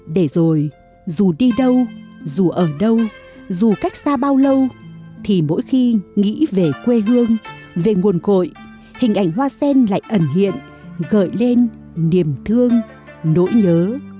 để rồi dù đi đâu dù ở đâu dù cách xa bao lâu thì mỗi khi nghĩ về quê hương về nguồn cội hình ảnh hoa sen lại ẩn hiện gợi lên niềm thương nỗi nhớ